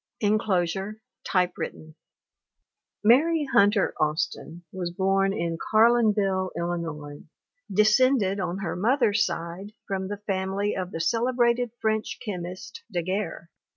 [Enclosure. Typewritten] Mary 'Hunter Austin was born in Carlinville, Illi nois, descended on her mother's side from the family of the celebrated French chemist, Daguerre.